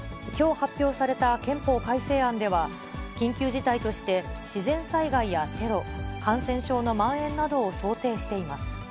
きょう発表された憲法改正案では、緊急事態として自然災害やテロ、感染症のまん延などを想定しています。